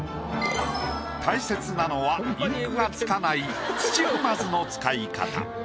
大切なのはインクが付かない土踏まずの使い方。